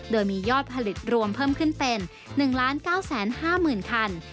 โดยมียอดผลิตรวมเพิ่มขึ้นเป็น๑๙๕๐๐๐คัน